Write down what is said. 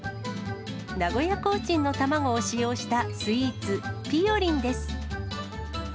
名古屋コーチンの卵を使用したスイーツ、ぴよりんです。